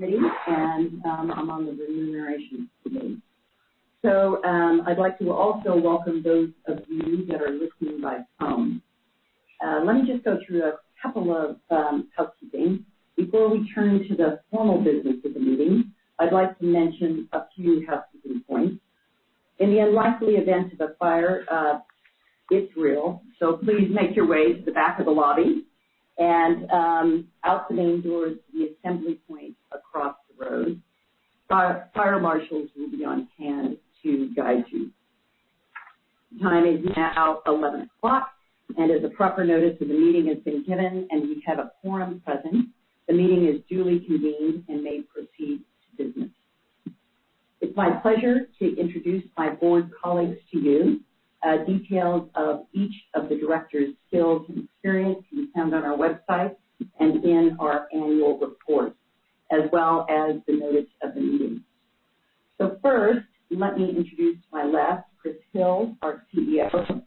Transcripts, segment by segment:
I'm on the Remuneration Committee. I'd like to also welcome those of you that are listening by phone. Let me just go through a couple of housekeeping before we turn to the formal business of the meeting. I'd like to mention a few housekeeping points. In the unlikely event of a fire, it's real, so please make your way to the back of the lobby and out the main doors to the assembly point across the road. Fire marshals will be on hand to guide you. Time is now 11:00 A.M., and as a proper notice of the meeting has been given and we have a quorum present, the meeting is duly convened and may proceed to business. It's my pleasure to introduce my board colleagues to you. Details of each of the directors' skills and experience can be found on our website and in our annual report, as well as the notice of the meeting. First, let me introduce to my left, Chris Hill, our CEO.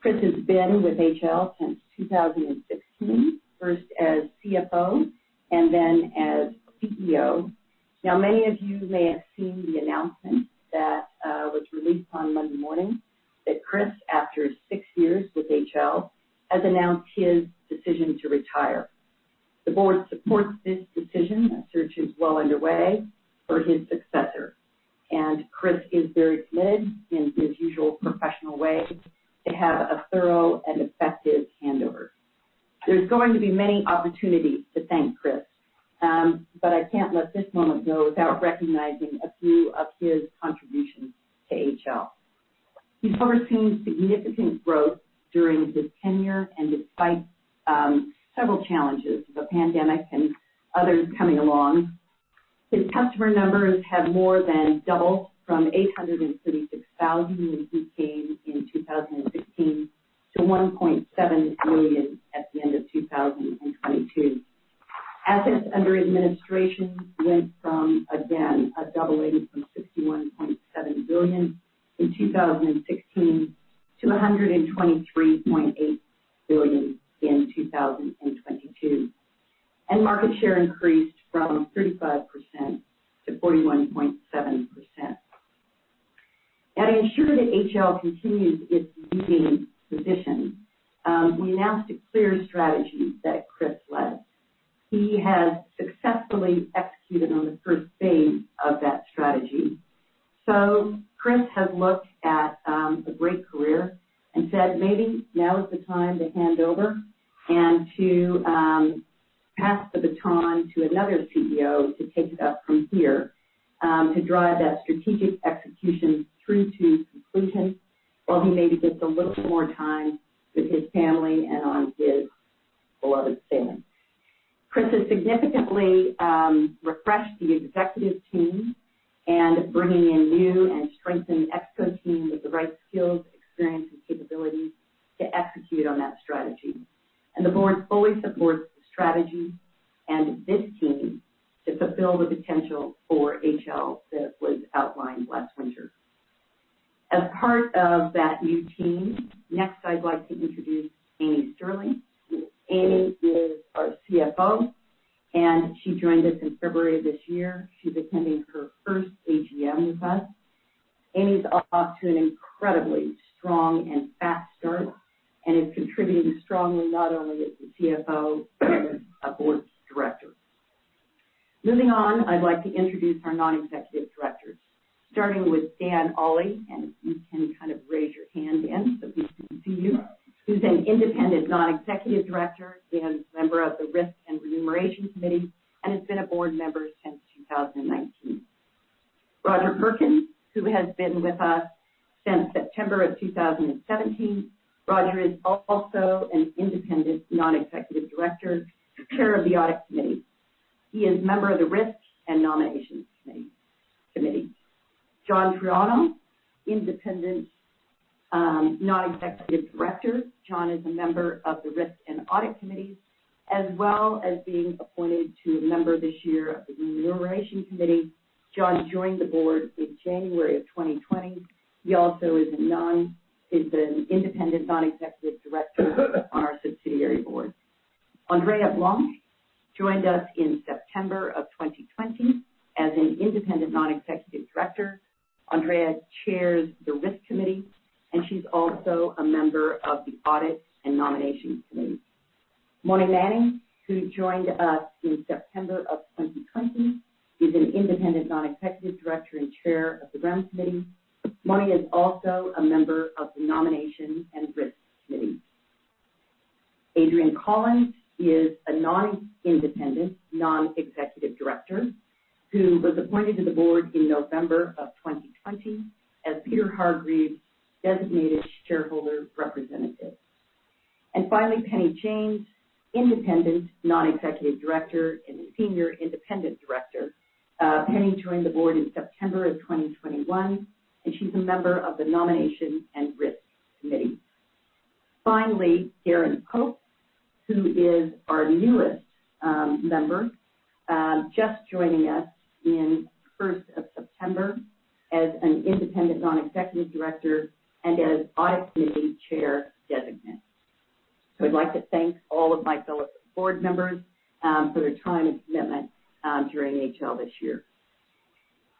Chris has been with HL since 2016, first as CFO and then as CEO. Now, many of you may have seen the announcement that was released on Monday morning that Chris, after six years with HL, has announced his decision to retire. The board supports this decision. A search is well underway for his successor, and Chris is very committed in his usual professional way to have a thorough and effective handover. There's going to be many opportunities to thank Chris, but I can't let this moment go without recognizing a few of his contributions to HL. He's overseen significant growth during his tenure and despite several challenges, the pandemic and others coming along. His customer numbers have more than doubled from 836,000 when he came in 2016 to 1.7 million at the end of 2022. Assets under administration went from, again, a doubling from GBP 61.7 billion in 2016 to GBP 123.8 billion in 2022. Market share increased from 35% to 41.7%. Now, to ensure that HL continues its leading position, we announced a clear strategy that Chris led. He has successfully executed on the first phase of that strategy. Chris has looked at a great career and said, "Maybe now is the time to hand over and to pass the baton to another CEO to take it up from here to drive that strategic execution through to completion while he maybe gets a little more time with his family and on his beloved sailing." Chris has significantly refreshed the executive team and bringing in new and strengthened exco team with the right skills, experience, and capabilities to execute on that strategy. The board fully supports the strategy and this team to fulfill the potential for HL that was outlined last winter. As part of that new team, next, I'd like to introduce Amy Stirling. Amy is our CFO, and she joined us in February of this year. She's attending her first AGM with us. Amy's off to an incredibly strong and fast start and is contributing strongly not only as the CFO but as a board director. Moving on, I'd like to introduce our non-executive directors, starting with Dan Olley, and if you can kind of raise your hand, Dan, so we can see you. He's an independent non-executive director. Dan is a member of the Risk and Remuneration Committee and has been a board member since 2019. Roger Perkin, who has been with us since September of 2017. Roger is also an independent non-executive director and chair of the Audit Committee. He is a member of the Risk and Nominations Committee. John Triantos, independent, non-executive director. John is a member of the Risk and Audit Committees, as well as being appointed as a member this year of the Remuneration Committee. John joined the board in January of 2020. He also is an independent non-executive director on our subsidiary board. Andrea Blance joined us in September 2020 as an independent non-executive director. Andrea chairs the Risk Committee, and she is also a member of the Audit and Nominations Committee. Moni Mannings, who joined us in September 2020, is an independent non-executive director and chair of the Remuneration Committee. Moni is also a member of the Nomination and Risk Committee. Adrian Collins is a non-independent non-executive director who was appointed to the board in November 2020 as Peter Hargreaves's designated shareholder representative. Finally, Penny James, Independent Non-Executive Director and Senior Independent Director. Penny joined the board in September 2021, and she is a member of the Nomination and Risk Committee. Finally, Darren Pope, who is our newest member. Just joining us in 1st of September as an independent non-executive director and as audit committee chair designate. I'd like to thank all of my fellow board members for their time and commitment during HL this year.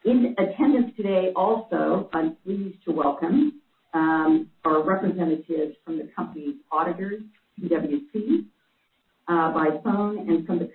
In attendance today also, I'm pleased to welcome our representatives from the company's auditors, PwC, by phone, and from the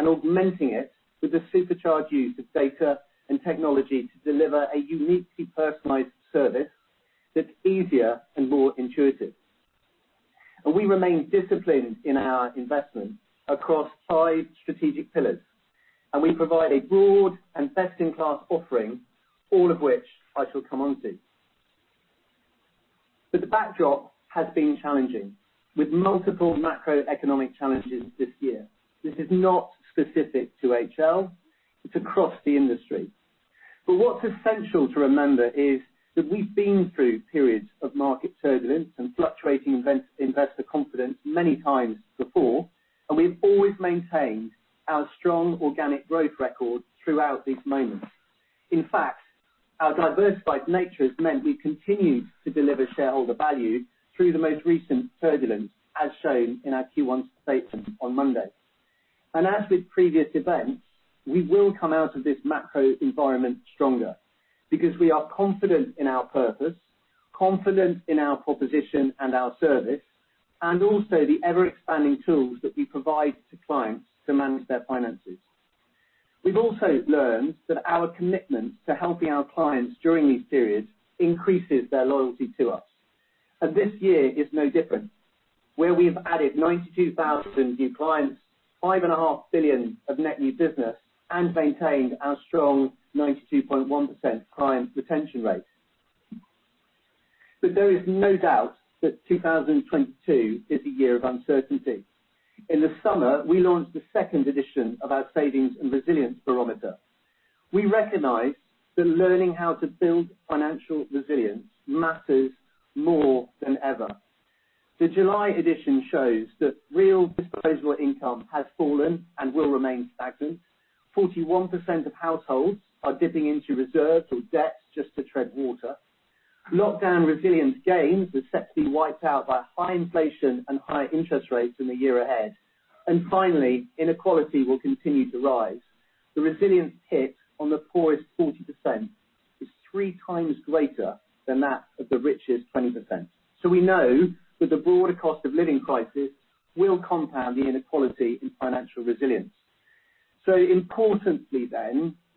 and augmenting it with the supercharged use of data and technology to deliver a uniquely personalized service that's easier and more intuitive. We remain disciplined in our investment across five strategic pillars. We provide a broad and best-in-class offering, all of which I shall come on to. The backdrop has been challenging, with multiple macroeconomic challenges this year. This is not specific to HL, it's across the industry. What's essential to remember is that we've been through periods of market turbulence and fluctuating investor confidence many times before, and we've always maintained our strong organic growth record throughout these moments. In fact, our diversified nature has meant we continue to deliver shareholder value through the most recent turbulence, as shown in our Q1 statement on Monday. As with previous events, we will come out of this macro environment stronger because we are confident in our purpose, confident in our proposition and our service, and also the ever-expanding tools that we provide to clients to manage their finances. We've also learned that our commitment to helping our clients during these periods increases their loyalty to us. This year is no different, where we have added 92,000 new clients, 5.5 billion of net new business and maintained our strong 92.1% client retention rate. There is no doubt that 2022 is a year of uncertainty. In the summer, we launched the second edition of our Savings and Resilience Barometer. We recognize that learning how to build financial resilience matters more than ever. The July edition shows that real disposable income has fallen and will remain stagnant. 41% of households are dipping into reserves or debts just to tread water. Lockdown resilience gains are set to be wiped out by high inflation and higher interest rates in the year ahead. Finally, inequality will continue to rise. The resilience hit on the poorest 40% is three times greater than that of the richest 20%. We know that the broader cost of living crisis will compound the inequality in financial resilience. Importantly,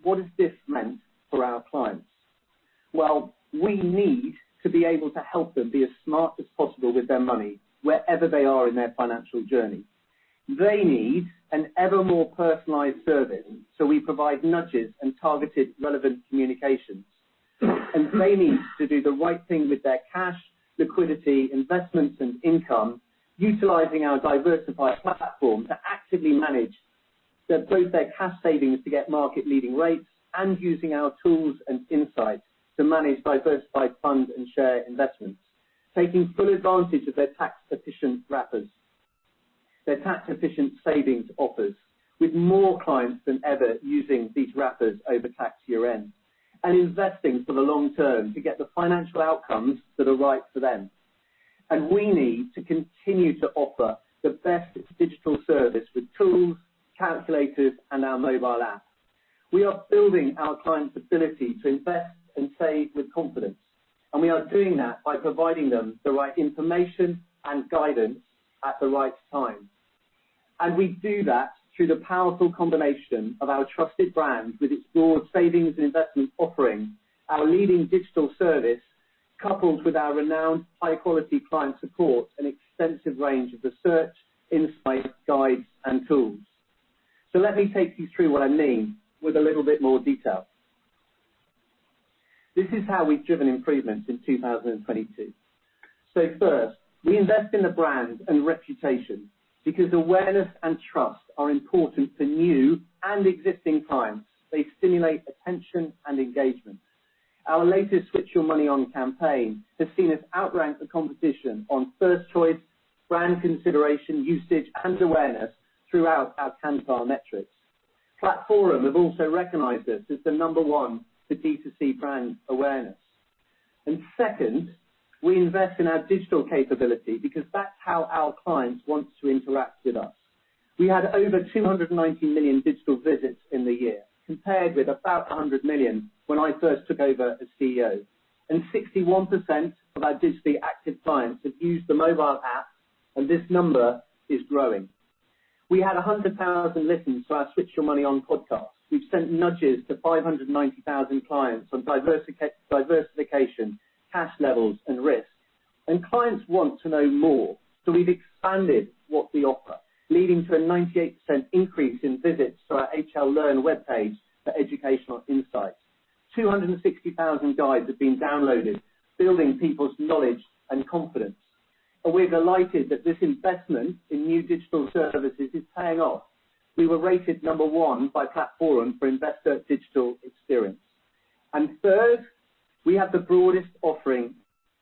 what does this mean for our clients? Well, we need to be able to help them be as smart as possible with their money wherever they are in their financial journey. They need an ever more personalized service, so we provide nudges and targeted relevant communications. They need to do the right thing with their cash, liquidity, investments and income utilizing our diversified platform to actively manage both their cash savings to get market-leading rates and using our tools and insights to manage diversified funds and share investments, taking full advantage of their tax efficient wrappers. Their tax efficient savings offers, with more clients than ever using these wrappers over tax year-end, and investing for the long term to get the financial outcomes that are right for them. We need to continue to offer the best digital service with tools, calculators, and our mobile app. We are building our clients' ability to invest and save with confidence, and we are doing that by providing them the right information and guidance at the right time. We do that through the powerful combination of our trusted brand with its broad savings and investment offering, our leading digital service, coupled with our renowned high-quality client support and extensive range of research, insights, guides, and tools. Let me take you through what I mean with a little bit more detail. This is how we've driven improvements in 2022. First, we invest in the brand and reputation because awareness and trust are important for new and existing clients. They stimulate attention and engagement. Our latest Switch Your Money ON campaign has seen us outrank the competition on first choice brand consideration, usage, and awareness throughout our Kantar metrics. Platforum have also recognized us as the number one for D2C brand awareness. Second, we invest in our digital capability because that's how our clients want to interact with us. We had over 290 million digital visits in the year, compared with about 100 million when I first took over as CEO. 61% of our digitally active clients have used the mobile app, and this number is growing. We had 100,000 listens to our Switch Your Money ON podcast. We've sent nudges to 590,000 clients on diversification, cash levels, and risk. Clients want to know more, so we've expanded what we offer, leading to a 98% increase in visits to our HL Learn webpage for educational insights. 260,000 guides have been downloaded, building people's knowledge and confidence. We're delighted that this investment in new digital services is paying off. We were rated number one by Platforum for investor digital experience. Third, we have the broadest offering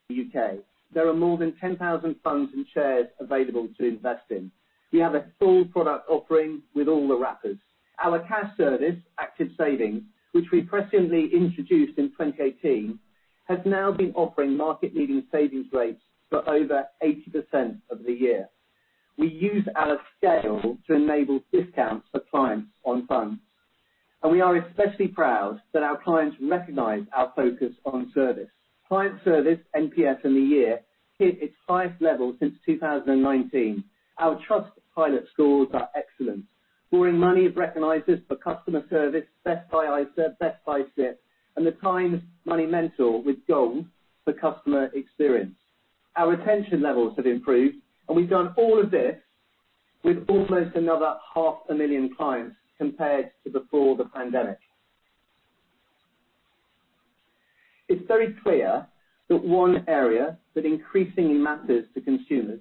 in the UK. There are more than 10,000 funds and shares available to invest in. We have a full product offering with all the wrappers. Our cash service, Active Savings, which we presently introduced in 2018, has now been offering market-leading savings rates for over 80% of the year. We use our scale to enable discounts for clients on funds. We are especially proud that our clients recognize our focus on service. Client service NPS in the year hit its highest level since 2019. Our Trustpilot scores are excellent. Boring Money have recognized us for customer service, Best Buy ISA, Best Buy SIPP, and The Times Money Mentor with Gold for customer experience. Our retention levels have improved, and we've done all of this with almost another 500,000 clients compared to before the pandemic. It's very clear that one area that increasingly matters to consumers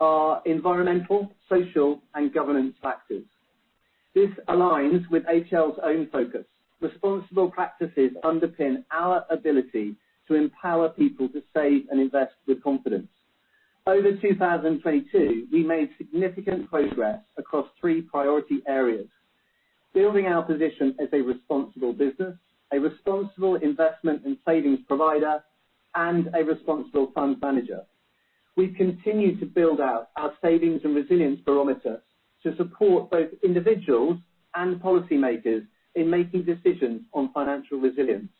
are environmental, social, and governance factors. This aligns with HL's own focus. Responsible practices underpin our ability to empower people to save and invest with confidence. Over 2022, we made significant progress across three priority areas, building our position as a responsible business, a responsible investment and savings provider, and a responsible fund manager. We've continued to build out our Savings and Resilience Barometer to support both individuals and policymakers in making decisions on financial resilience.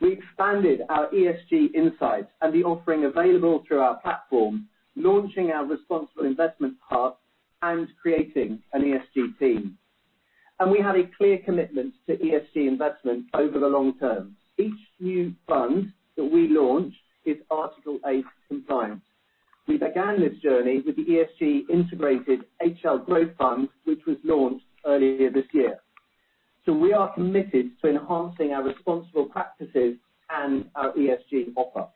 We expanded our ESG insights and the offering available through our platform, launching our responsible investment hub and creating an ESG team. We have a clear commitment to ESG investment over the long term. Each new fund that we launch is Article 8 compliant. We began this journey with the ESG Integrated HL Growth Fund, which was launched earlier this year. We are committed to enhancing our responsible practices and our ESG offer.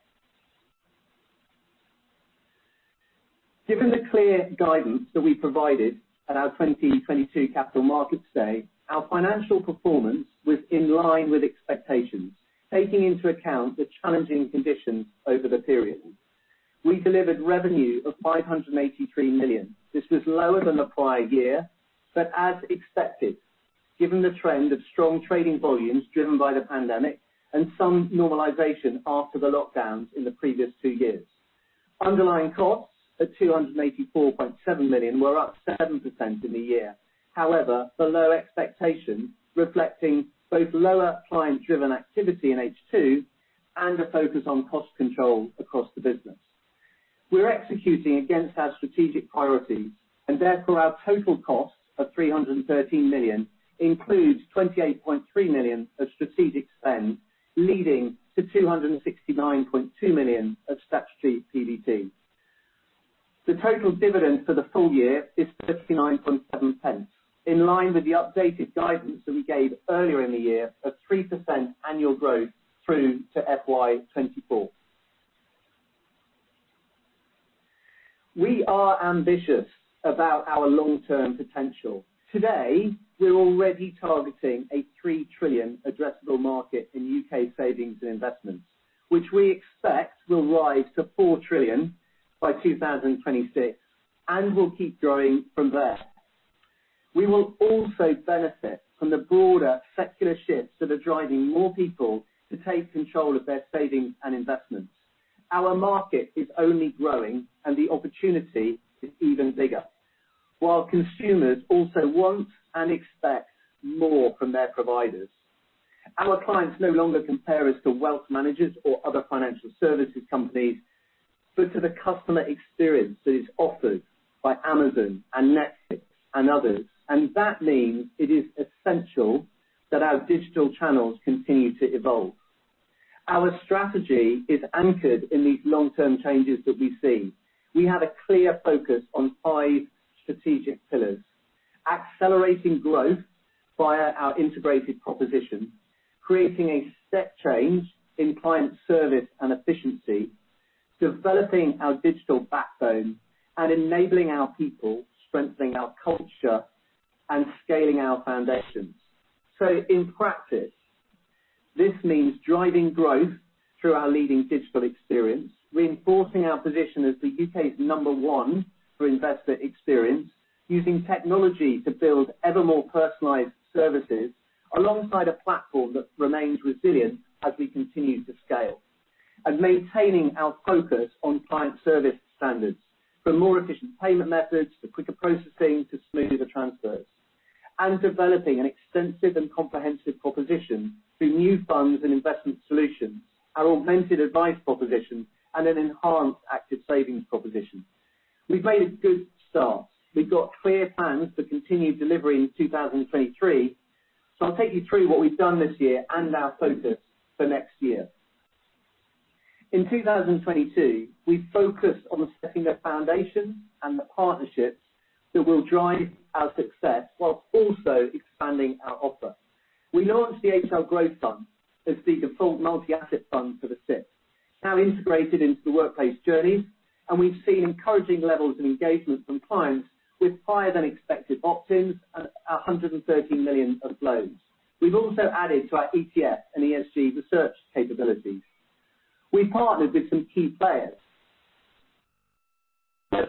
Given the clear guidance that we provided at our 2022 Capital Markets Day, our financial performance was in line with expectations, taking into account the challenging conditions over the period. We delivered revenue of 583 million. This was lower than the prior year, but as expected, given the trend of strong trading volumes driven by the pandemic and some normalization after the lockdowns in the previous two years. Underlying costs at 284.7 million were up 7% in the year. However, below expectations reflecting both lower client-driven activity in H2 and a focus on cost control across the business. We're executing against our strategic priorities, and therefore, our total cost of 313 million includes 28.3 million of strategic spend, leading to 269.2 million of statutory PBT. The total dividend for the full year is 59.7 pence, in line with the updated guidance that we gave earlier in the year of 3% annual growth through to FY 2024. We are ambitious about our long-term potential. Today, we're already targeting a 3 trillion addressable market in UK savings and investments, which we expect will rise to 4 trillion by 2026 and will keep growing from there. We will also benefit from the broader secular shifts that are driving more people to take control of their savings and investments. Our market is only growing and the opportunity is even bigger. While consumers also want and expect more from their providers, our clients no longer compare us to wealth managers or other financial services companies, but to the customer experiences offered by Amazon and Netflix and others. That means it is essential that our digital channels continue to evolve. Our strategy is anchored in these long-term changes that we see. We have a clear focus on five strategic pillars, accelerating growth via our integrated proposition, creating a step change in client service and efficiency, developing our digital backbone and enabling our people, strengthening our culture and scaling our foundations. In practice, this means driving growth through our leading digital experience, reinforcing our position as the UK's number one for investor experience, using technology to build ever more personalized services alongside a platform that remains resilient as we continue to scale. Maintaining our focus on client service standards for more efficient payment methods, for quicker processing, to smoother transfers. Developing an extensive and comprehensive proposition through new funds and investment solutions, our augmented advice proposition, and an enhanced active savings proposition. We've made a good start. We've got clear plans to continue delivering in 2023. I'll take you through what we've done this year and our focus for next year. In 2022, we focused on setting the foundation and the partnerships that will drive our success while also expanding our offer. We launched the HL Growth Fund as the default multi-asset fund for the SIPP, now integrated into the workplace journey, and we've seen encouraging levels of engagement from clients with higher than expected opt-ins at 113 million of flows. We've also added to our ETF and ESG research capabilities. We partnered with some key players,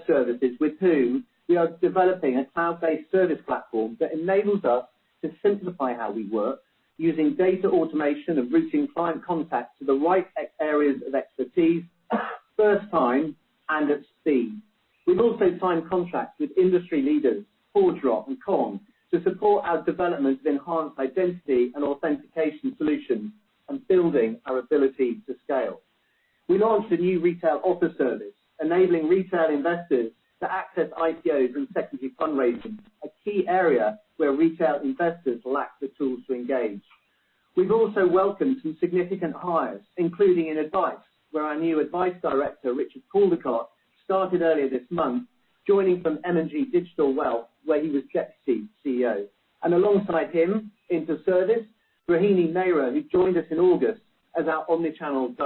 services with whom we are developing a cloud-based service platform that enables us to simplify how we work using data automation and routing client contacts to the right areas of expertise first time and at speed. We've also signed contracts with industry leaders ForgeRock and Kore to support our development of enhanced identity and authentication solutions and building our ability to scale. We launched a new retail offer service, enabling retail investors to access IPOs and secondary fundraising, a key area where retail investors lack the tools to engage. We've also welcomed some significant hires, including in advice, where our new Advice Director, Richard Caldicott, started earlier this month, joining from M&G Wealth, where he was deputy CEO. Alongside him into service, Ruchira Mehrotra, who joined us in August as our Omni-Channel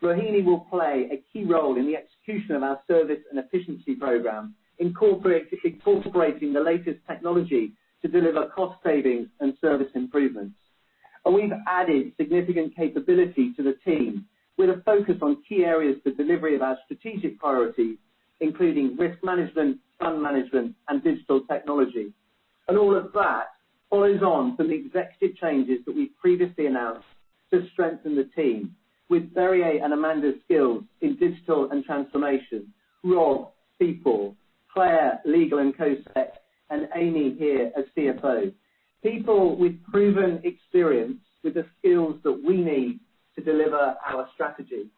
Director. Ruchira will play a key role in the execution of our service and efficiency program, incorporating the latest technology to deliver cost savings and service improvements. We've added significant capability to the team with a focus on key areas for delivery of our strategic priorities, including risk management, fund management, and digital technology. All of that follows on from the executive changes that we previously announced to strengthen the team with Thierry and Amanda's skills in digital and transformation. Robert, people. Claire, legal and CoSec, and Amy here as CFO. People with proven experience with the skills that we need to deliver our strategy.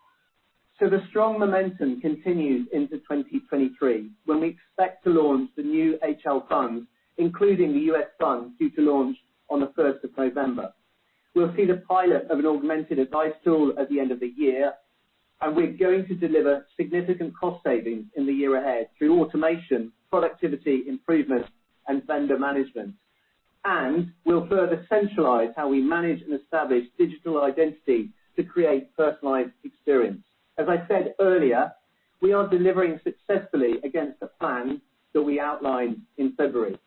The strong momentum continues into 2023, when we expect to launch the new HL funds, including the U.S. fund due to launch on the first of November. We'll see the pilot of an augmented advice tool at the end of the year, and we're going to deliver significant cost savings in the year ahead through automation, productivity improvements, and vendor management. We'll further centralize how we manage and establish digital identity to create personalized experience. As I said earlier, we are delivering successfully against the plan that we outlined in February.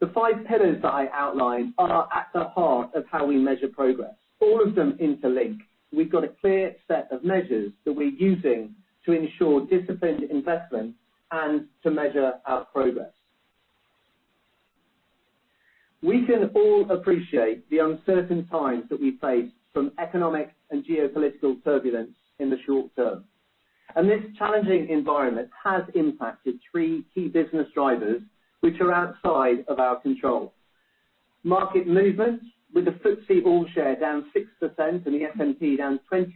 The five pillars that I outlined are at the heart of how we measure progress, all of them interlink. We've got a clear set of measures that we're using to ensure disciplined investment and to measure our progress. We can all appreciate the uncertain times that we face from economic and geopolitical turbulence in the short term. This challenging environment has impacted three key business drivers which are outside of our control. Market movements, with the FTSE All-Share down 6% and the S&P down 20%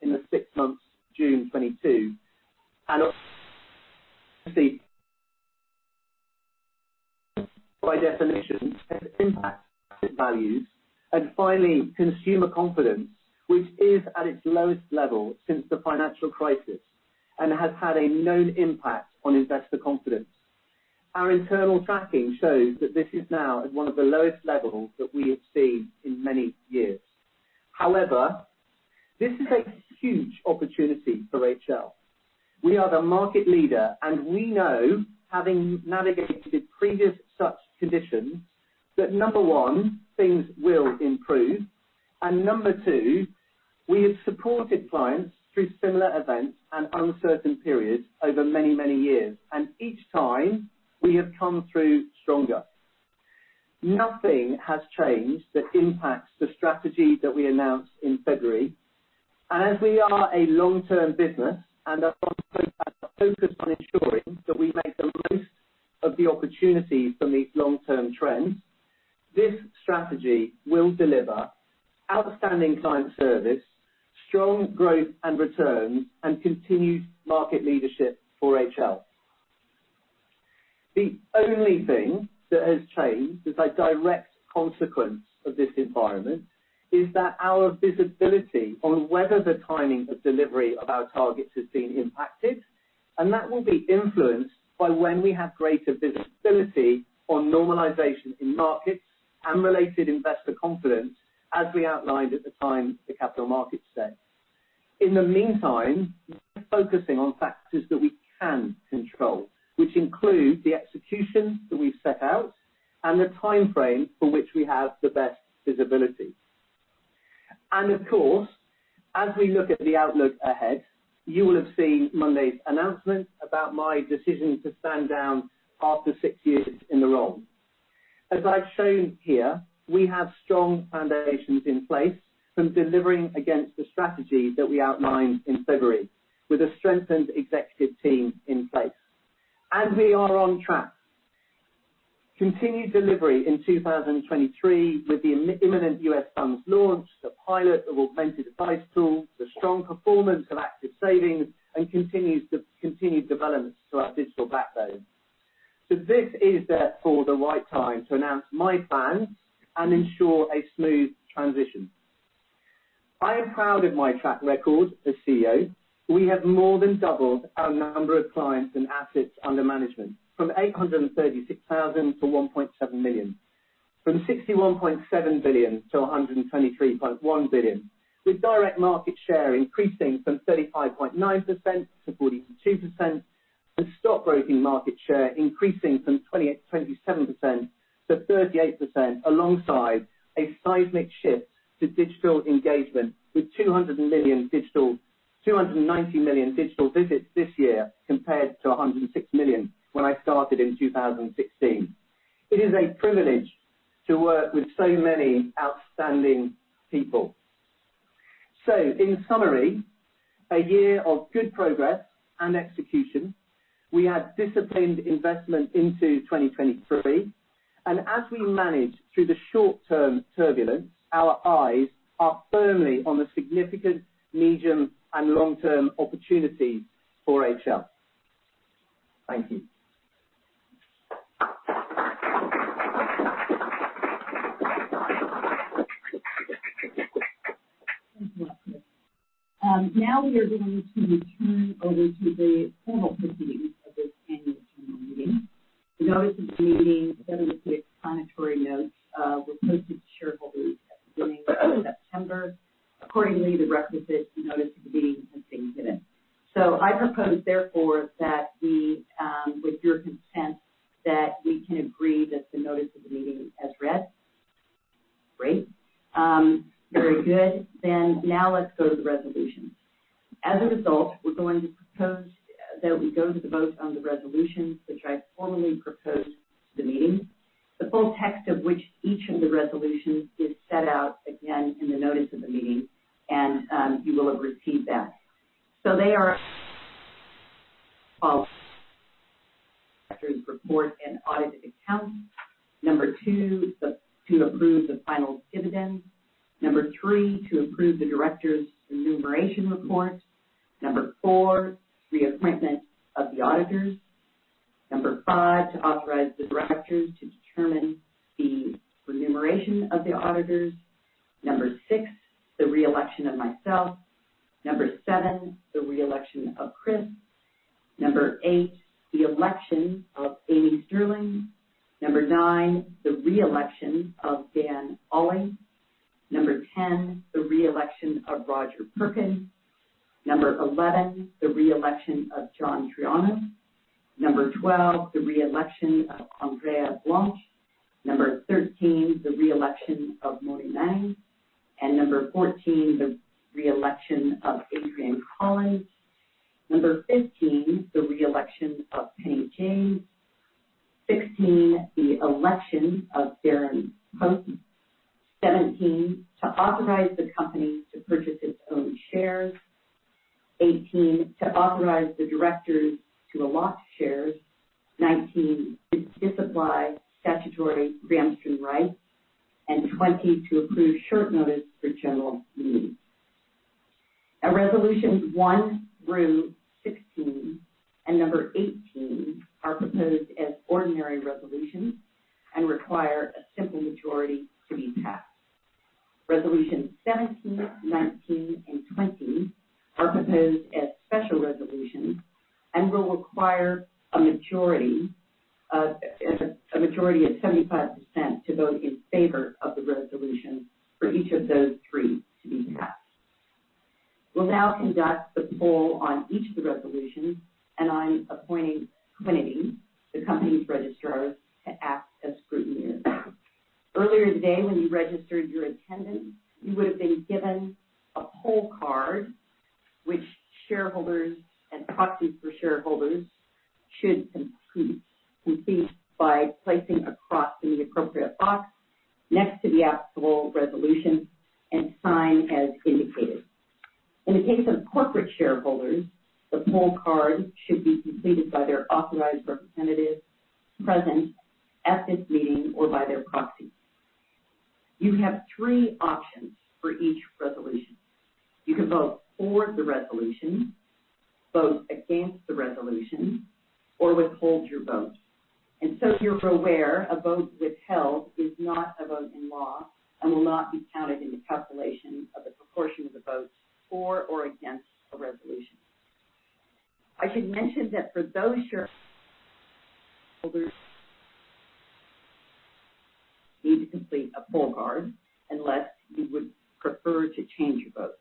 in the six months to June 2022. Obviously, by definition, impacts asset values and finally consumer confidence, which is at its lowest level since the financial crisis and has had a known impact on investor confidence. Our internal tracking shows that this is now at one of the lowest levels that we have seen in many years. However, this is a huge opportunity for HL. We are the market leader, and we know, having navigated previous such conditions, that number one, things will improve. Number two, we have supported clients through similar events and uncertain periods over many, many years, and each time we have come through stronger. Nothing has changed that impacts the strategy that we announced in February. As we are a long-term business and are focused on ensuring that we make the most of the opportunities from these long-term trends, this strategy will deliver outstanding client service, strong growth and returns, and continued market leadership for HL. The only thing that has changed as a direct consequence of this environment is that our visibility on whether the timing of delivery of our targets has been impacted, and that will be influenced by when we have greater visibility on normalization in markets and related investor confidence as we outlined at the time of the Capital Markets Day. In the meantime, we're focusing on factors that we can control, which include the execution that we've set out and the timeframe for which we have the best visibility. Of course, as we look at the outlook ahead, you will have seen Monday's announcement about my decision to stand down after six years in the role. As I've shown here, we have strong foundations in place from delivering against the strategy that we outlined in February with a strengthened executive team in place. We are on track. Continued delivery in 2023 with the imminent U.S. funds launch, the pilot of augmented advice tools, the strong performance of Active Savings, and continued development to our digital backbone. This is therefore the right time to announce my plan and ensure a smooth transition. I am proud of my track record as CEO. We have more than doubled our number of clients and assets under management from 836,000 to 1.7 million, from 61.7 billion to 123.1 billion, with direct market share increasing from 35.9% to 42%, and stockbroking market share increasing from 27% to 38%, alongside a seismic shift to digital engagement with 290 million digital visits this year compared to 106 million when I started in 2016. It is a privilege to work with so many outstanding people. In summary, a year of good progress and execution. We have disciplined investment into 2023, and as we manage through the short-term turbulence, our eyes are firmly on the significant medium and long-term opportunities for HL. Thank you. Thank you. Now we are going to turn over to the formal proceedings of this annual general meeting. The notice of the meeting, together with the explanatory notes, were posted to shareholders at the beginning of September. Accordingly, the requisite notice of the meeting has been given. I propose, therefore, that we, with your consent, that we can agree that the notice of the meeting as read. Great. Very good. Now let's go to the resolution. We're going to propose that we go to the vote on the resolutions which I formally proposed to the meeting. The full text of which each of the resolutions is set out again in the notice of the meeting and, you will have received that. They are Directors' report and audited accounts. Number two, to approve the final dividend. Three, to approve the directors' remuneration report. 4, reappointment of the auditors. 5, to authorize the directors to determine the remuneration of the auditors. 6, the re-election of myself. 7, the re-election of Chris. 8, the election of Amy Stirling. 9, the re-election of Dan Olley. 10, the re-election of Roger Perkin. 11, the re-election of John Triantos. 12, the re-election of Andrea Blance. 13, the re-election of Moni Mannings. 14, the re-election of Adrian Collins. 15, the re-election of Penny James. 16, the election of Darren Pope. 17, to authorize the company to purchase its own shares. 18, to authorize the directors to allot shares. 19, to disapply statutory pre-emption rights. 20, to approve short notice for general meetings. Now, resolutions 1 through 16 and number 18 are proposed as ordinary resolutions and require a simple majority to be passed. Resolutions 17, 19, and 20 are proposed as special resolutions and will require a majority of 75% to vote in favor of the resolution for each of those three to be passed. We'll now conduct the poll on each of the resolutions, and I'm appointing Trinity, the company's registrar, to act as scrutineer. Earlier today, when you registered your attendance, you would have been given a poll card, which shareholders and proxies for shareholders should complete by placing a cross in the appropriate box next to the applicable resolution and sign as indicated. In the case of corporate shareholders, the poll card should be completed by their authorized representative present at this meeting or by their proxy. You have three options for each resolution. You can vote for the resolution, vote against the resolution, or withhold your vote. You're aware, a vote withheld is not a vote in law and will not be counted in the calculation of the proportion of the votes for or against a resolution. I should mention that for those shareholders need to complete a poll card unless you would prefer to change your vote.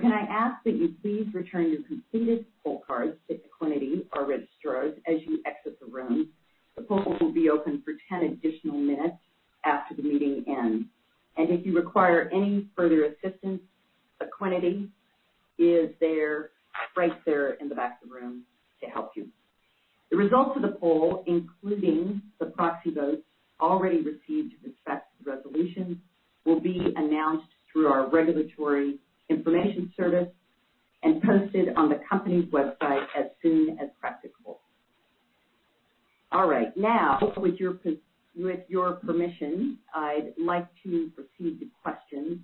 Can I ask that you please return your completed poll cards to the Equiniti, our registrars, as you exit the room? The poll will be open for 10 additional minutes after the meeting ends. If you require any further assistance, the Equiniti is there, right there in the back of the room to help you. The results of the poll, including the proxy votes already received with respect to the resolution, will be announced through our regulatory information service and posted on the company's website as soon as practicable. All right. Now, with your permission, I'd like to proceed with questions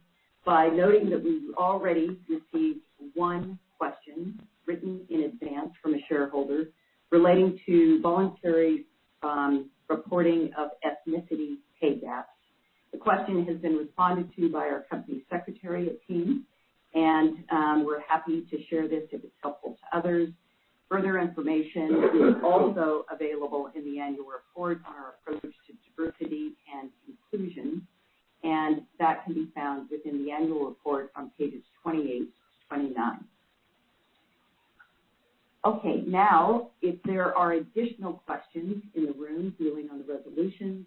by noting that we've already received one question written in advance from a shareholder relating to voluntary reporting of ethnicity pay gaps. The question has been responded to by our company secretariat team, and we're happy to share this if it's helpful to others. Further information is also available in the annual report on our approach to diversity and inclusion, and that can be found within the annual report on pages 28 to 29. Okay. Now, if there are additional questions in the room dealing with the resolutions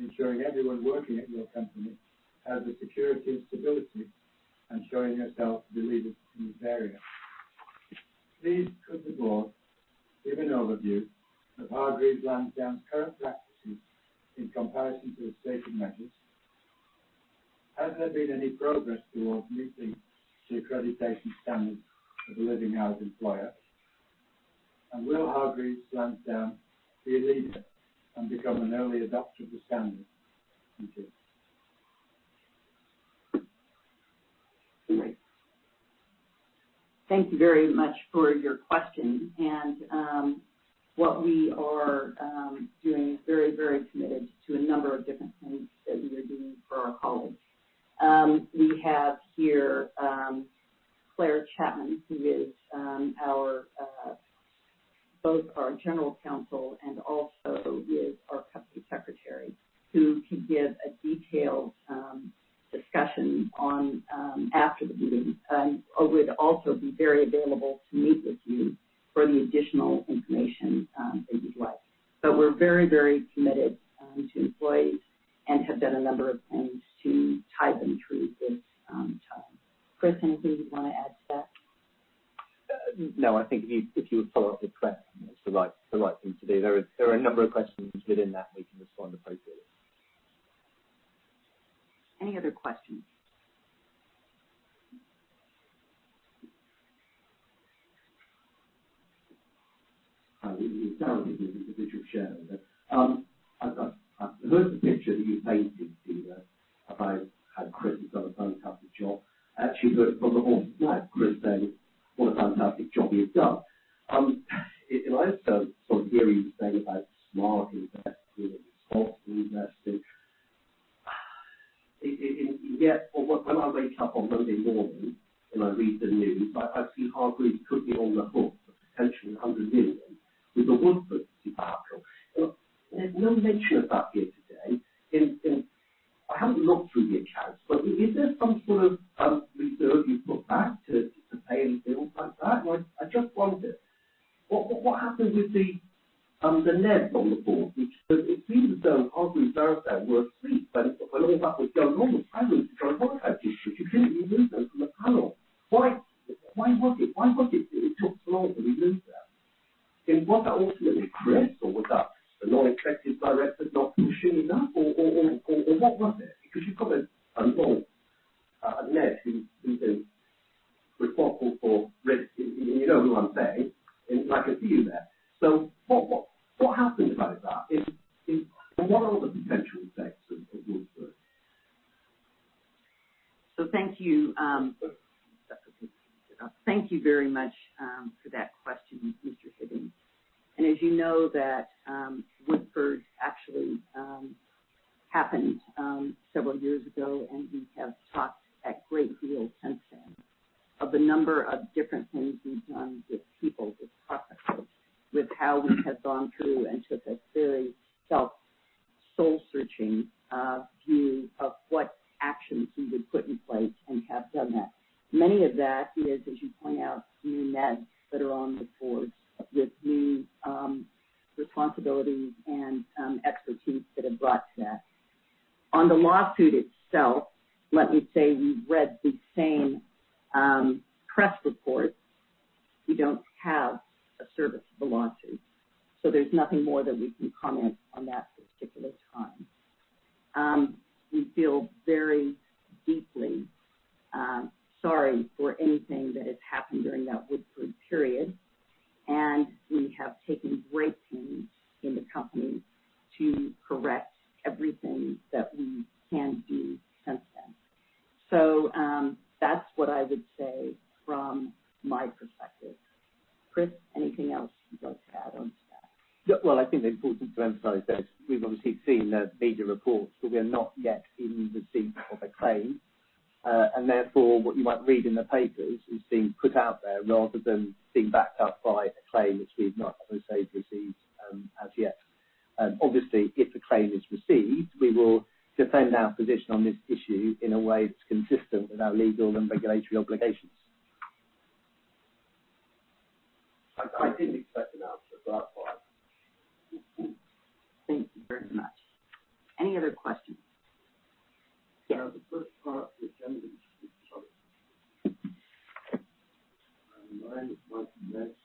ensuring everyone working at your company has the security and stability, and showing yourself a leader in this area. Please could the board give an overview of Hargreaves Lansdown's current practices in comparison to the stated measures? Has there been any progress towards meeting the accreditation standards of a Living Hours employer? Will Hargreaves Lansdown be a leader and become an early adopter of the standard? Thank you. Great. Thank you very much for your question. What we are doing is very, very committed to a number of different things that we are doing for our colleagues. We have here Claire Chapman, who is our both our general counsel Or I just wonder, what happens with the NED on the board? Because it seems as though Hargreaves themselves there were asleep when all that was going on. The panel to try and monitor those issues, you couldn't remove them from the panel. Why was it that it took so long to remove them? Was that ultimately Chris, or was that the non-executive director not pushing enough? Or what was it? Because you've got a longstanding NED who is responsible for risk. You know who I'm saying, and I can see you there. What happens about that? What are the potential effects of Woodford? Thank you very much for that question, Mr. Hibbert. As you know, Woodford actually happened several years ago, and we have talked a great deal since then of the number of The first part of the agenda. Sorry. My name is Martin Gladdish.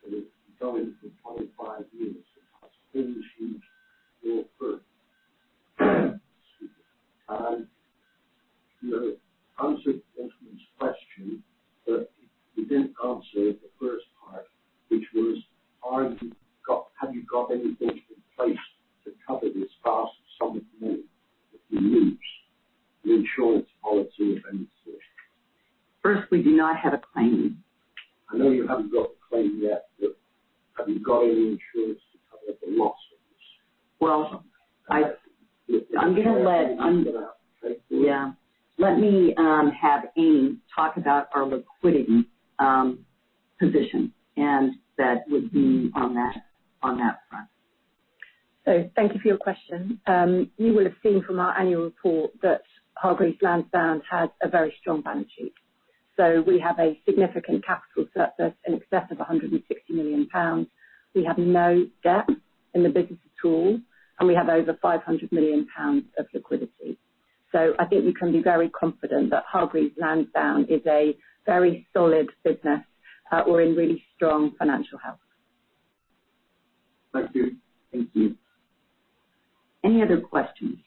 I represent Chelverton UK Dividend Trust, and it's been going for 25 years. Excuse me. You know, you answered Benjamin's question, but you didn't answer the first part, which was, Have you got anything in place to cover this vast sum of money if you lose the insurance policy of any sort? First, we do not have a claim. I know you haven't got a claim yet, but have you got any insurance to cover the losses? Well, I'm gonna let Amy talk about our liquidity position, and that would be on that front. Thank you for your question. You will have seen from our annual report that Hargreaves Lansdown has a very strong balance sheet. We have a significant capital surplus in excess of 160 million pounds. We have no debt in the business at all, and we have over 500 million pounds of liquidity. I think we can be very confident that Hargreaves Lansdown is a very solid business. We're in really strong financial health. Thank you. Thank you. Any other questions?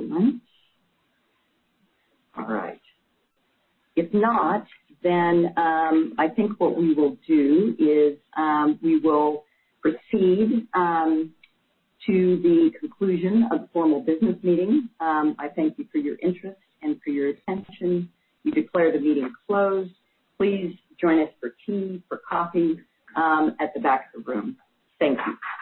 Excellent. All right. If not, then, I think what we will do is, we will proceed, to the conclusion of the formal business meeting. I thank you for your interest and for your attention. We declare the meeting closed. Please join us for tea, for coffee, at the back of the room. Thank you.